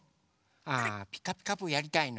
あ「ピカピカブ！」やりたいの？